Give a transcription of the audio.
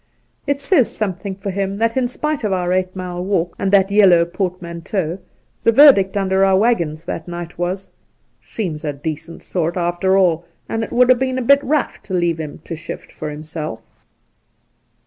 It says something for him that, in spite of our eight mile walk and that yellow portmanteau, the verdict under our waggons that night was :' Seems a decent sort, after all, and it would ha' been a bit rough to leave him to shift for himself.'